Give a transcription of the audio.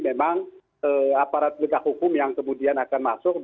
memang aparat penegak hukum yang kemudian akan masuk